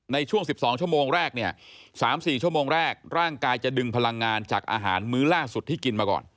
ในช่วง๑๒ชั่วโมงแรกเนี่ย๓๔ชั่วโมงแรกร่างกายจะดึงพลังงานจากอาหารมื้อล่าสุดที่กินมาก่อน